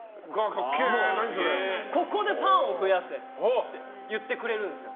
ここでファンを増やせって言ってくれるんですよ。